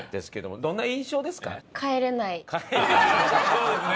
そうですね。